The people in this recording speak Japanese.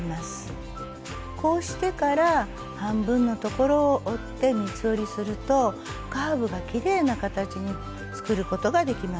こうしてから半分の所を折って三つ折りするとカーブがきれいな形に作ることができます。